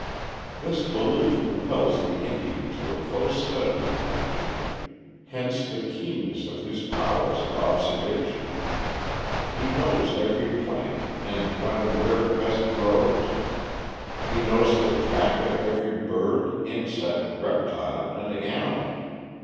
This belief compels the Indian to a close study of Nature. Hence the keenness of his powers of observation. He knows every plant, and when and where it best grows. He knows the track of every bird, insect, reptile, and animal.